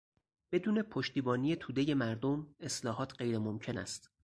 بدون پشتیبانی تودهی مردم اصلاحات غیر ممکن است.